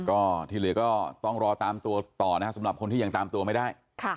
ก็ที่เหลือก็ต้องรอตามตัวต่อนะครับสำหรับคนที่ยังตามตัวไม่ได้